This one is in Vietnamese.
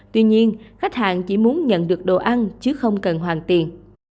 tuy nhiên khách hàng chỉ muốn nhận được đồ ăn chứ không cần hoàn tiền